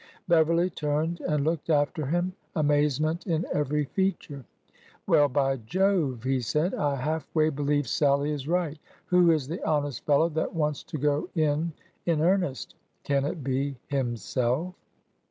Beverly turned and looked after him — amazement in every feature. "Well, by Jove!" he said, "I half way believe Sallie is right! Who is the honest fellow that wants to go in in earnest ?... Can it be himself